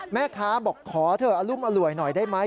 แม่ค้าบอกขอเธออรุมอร่วยหน่อยได้ไหม